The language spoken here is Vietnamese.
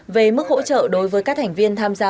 về mức hỗ trợ đối với các thành viên tham gia